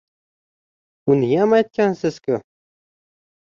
— Uniyam aytgansiz-ku